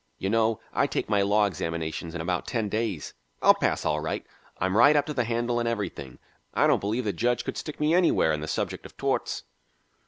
You know I take my law examinations in about ten days. I'll pass all right. I'm right up to the handle in everything. I don't believe the judge could stick me anywhere in the subject of torts."